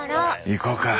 行こうか。